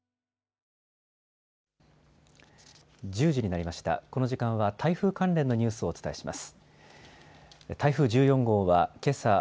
この時間は台風関連のニュースをお伝えします。